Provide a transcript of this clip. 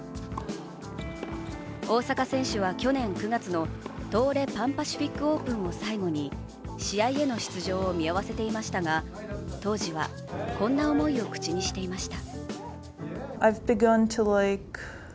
大坂選手は去年９月の東レパンパシフィックオープンを最後に試合への出場を見合わせていましたが、当時は、こんな思いを口にしていました。